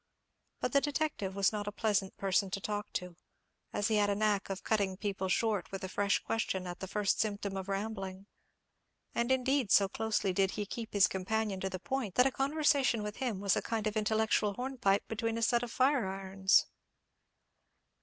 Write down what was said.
But the detective was not a pleasant person to talk to, as he had a knack of cutting people short with a fresh question at the first symptom of rambling; and, indeed, so closely did he keep his companion to the point, that a conversation with him was a kind of intellectual hornpipe between a set of fire irons.